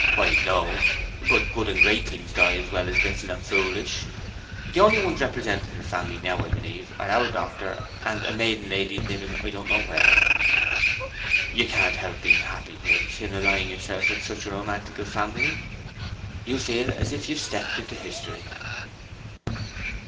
"Why, no. But good and great things die as well as little and foolish. The only ones representing the family now, I believe, are our doctor and a maiden lady living I don't know where. You can't help being happy, Grace, in allying yourself with such a romantical family. You'll feel as if you've stepped into history."